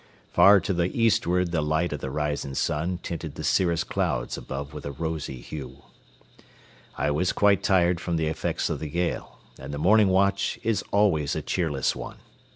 Far to the eastward the light of the rising sun tinted the cirrus clouds above with a rosy hue. I was quite tired from the effects of the gale, and the morning watch is always a cheerless one.